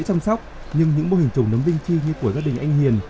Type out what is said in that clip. các công chăm sóc nhưng những mô hình trồng nấm ninh chi như của gia đình anh hiền